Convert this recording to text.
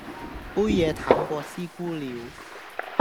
杯野淡過師姑尿